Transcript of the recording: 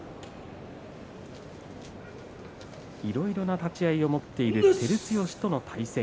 いろいろな立ち合いを持っている照強との対戦。